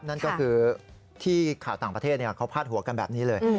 นั่นก็คือที่ข่าวต่างประเทศเขาพาดหัวกันแบบนี้เลย